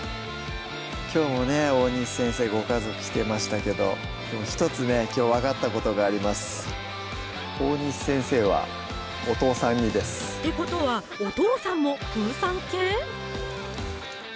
きょうもね大西先生ご家族来てましたけど１つねきょう分かったことがありますってことはお父さんもプーさん系？